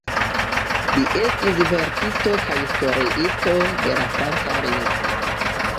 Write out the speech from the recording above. Li estis verkisto kaj historiisto de la franca lingvo.